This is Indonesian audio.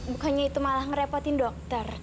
bukannya itu malah ngerepotin dokter